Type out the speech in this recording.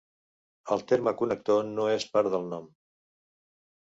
El terme connector no és part del nom.